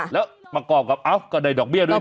แล้วมากรอบกับอ้าวก็ได้ดอกเบี้ยด้วยเนี่ย